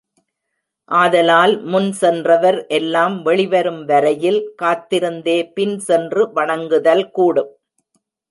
ஆதலால் முன் சென்றவர் எல்லாம் வெளிவரும் வரையில் காந்திருந்தே பின் சென்று வணங்குதல் கூடும்.